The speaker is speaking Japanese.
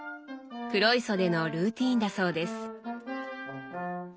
黒磯でのルーティーンだそうです。